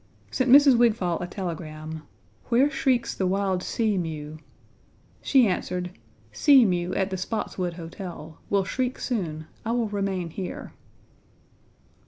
Sent Mrs. Wigfall a telegram "Where shrieks the wild sea mew?" She answered: "Sea mew at the Spotswood Hotel. Will shriek soon. I will remain here."